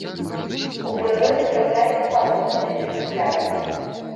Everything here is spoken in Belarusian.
У прыродзе трапляецца паасобнымі экзэмплярамі.